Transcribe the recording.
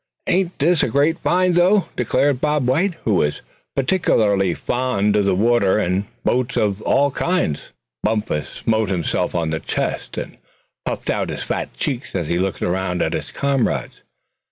"Ain't this a great find, though?" declared Bob White, who was particularly fond of the water, and boats of all kinds. Bumpus smote himself on the chest, and puffed out his fat cheeks, as he looked around at his comrades.